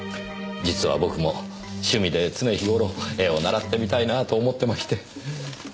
実は僕も趣味で常日頃絵を習ってみたいなあと思ってまして。